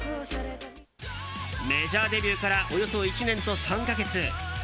メジャーデビューからおよそ１年と３か月。